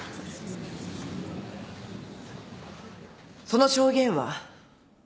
その証言は。